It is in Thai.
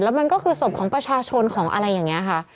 มันก็คือศพของประชาชนของอะไรอย่างนี้ค่ะ